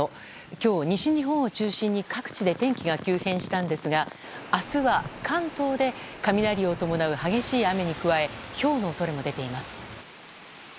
今日、西日本を中心に各地で天気が急変したんですが明日は関東で雷を伴う激しい雨に加えひょうの恐れも出ています。